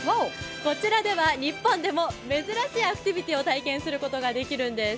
こちらでは日本でも珍しいアクティビティーを体験することができるんです。